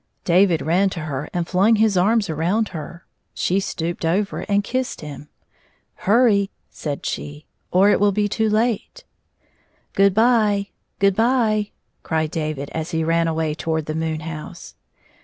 David ran to her and flung his arms around her ; she stooped over and kissed him. '* Hurry," said she, " or it will be too late." " Good by ! Good by !" cried David, as he ran away toward the moon house.